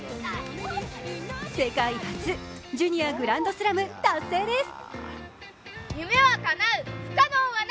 世界初、ジュニアグランドスラム達成です。